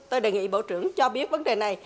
tôi đề nghị bộ trưởng cho biết vấn đề này